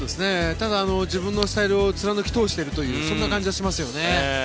ただ、自分のスタイルを貫き通しているというそんな感じがしますよね。